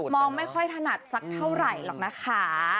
องไม่ค่อยถนัดสักเท่าไหร่หรอกนะคะ